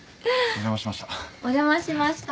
お邪魔しました。